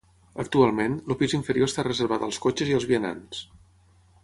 Actualment, el pis inferior està reservat als cotxes i als vianants.